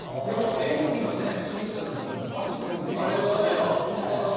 演技の審査になったときだけバチッと切り替わってたね。